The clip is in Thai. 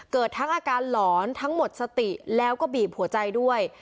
เกิดทั้งอาการหลอนทั้งหมดสติแล้วก็บีบหัวใจด้วย